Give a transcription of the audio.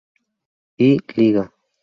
I Liga